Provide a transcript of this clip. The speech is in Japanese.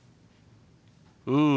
うん。